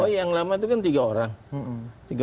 oh yang lama itu kan tiga orang